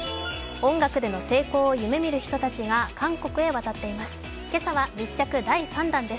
音楽での成功を夢見る人たちが韓国へ渡っています。